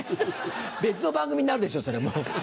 別の番組になるでしょそれもう。